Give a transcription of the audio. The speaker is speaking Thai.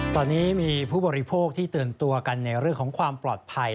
ตอนนี้มีผู้บริโภคที่เตือนตัวกันในเรื่องของความปลอดภัย